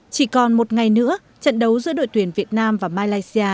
chỉ còn một ngày nữa trận đấu giữa đội tuyển việt nam và malaysia